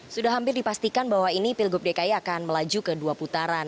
sudah hampir dipastikan bahwa ini pilgub dki akan melaju ke dua putaran